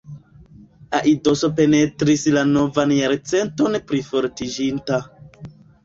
Aidoso penetris la novan jarcenton plifortiĝinta.